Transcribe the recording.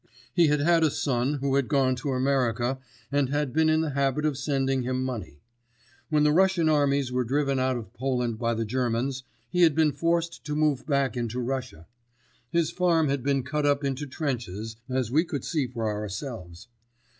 He had had a son who had gone to America and had been in the habit of sending him money. When the Russian armies were driven out of Poland by the Germans, he had been forced to move back into Russia. His farm had been cut up into trenches, as we could see for ourselves.